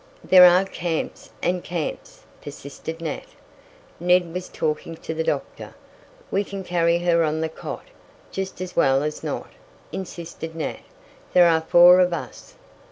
"There are camps, and camps," persisted Nat. Ned was talking to the doctor. "We can carry her on the cot, just as well as not," insisted Nat. "There are four of us."